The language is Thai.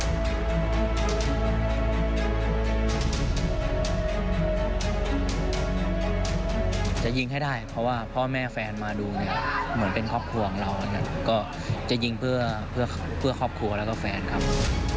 จะยิงให้ได้เพราะว่าพ่อแม่แฟนมาดูเนี่ยเหมือนเป็นครอบครัวของเรานะครับก็จะยิงเพื่อครอบครัวแล้วก็แฟนครับ